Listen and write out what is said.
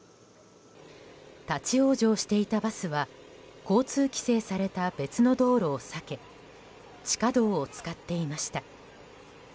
立ち往生していたバスは交通規制された別の道路を避け地下道を使っていました。